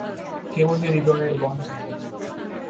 কেবলই হৃদয়ের বন্ধন।